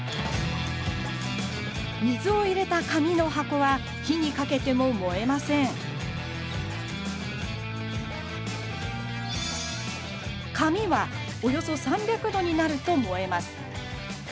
水を入れた紙の箱は火にかけても燃えません紙はおよそ３００度になると燃えます。